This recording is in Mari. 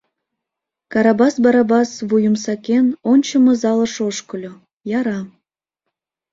Карабас Барабас, вуйым сакен, ончымо залыш ошкыльо, - яра.